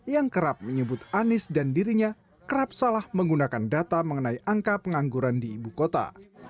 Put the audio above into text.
yang kerap menyebut anies dan dirinya kerap salah menggunakan data mengenai angka pengangguran di ibu kota